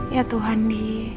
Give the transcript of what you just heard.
ya tuhan d